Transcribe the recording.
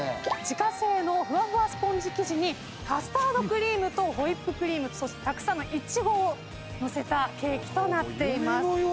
自家製のふわふわスポンジ生地にカスタードクリームとホイップクリームそしてたくさんのイチゴをのせたケーキとなっています。